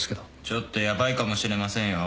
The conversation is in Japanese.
ちょっとヤバいかもしれませんよ。